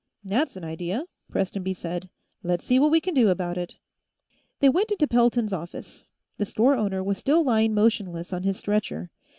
"That's an idea," Prestonby said. "Let's see what we can do about it." They went into Pelton's office. The store owner was still lying motionless on his stretcher.